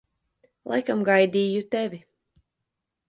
Laikam gaidīju tevi.